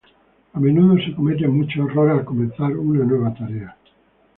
A menudo se cometen muchos errores al comenzar una nueva tarea.